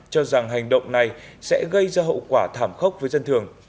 cho rằng hành động này sẽ gây ra hậu quả thảm khốc với dân thường